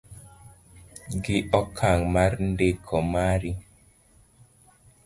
gi okang' mar ndiko mari